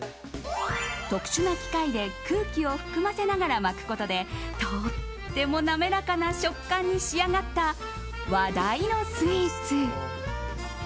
特殊な機械で空気を含ませながら巻くことでとっても滑らかな食感に仕上がった話題のスイーツ。